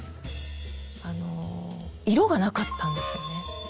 あの色がなかったんですよね。